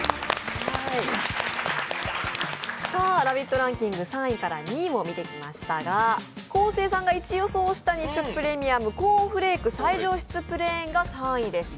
ランキング３位から２位も見てきましたが昴生さんが１位を予想した、日清プレミアム、コーンフレーク最上質プレーンが３位でした。